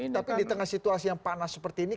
tapi di tengah situasi yang panas seperti ini